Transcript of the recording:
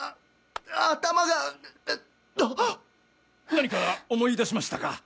何か思い出しましたか？